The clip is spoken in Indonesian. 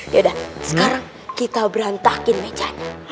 yaudah sekarang kita berantakin mejanya